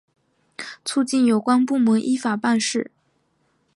促进有关部门依法办事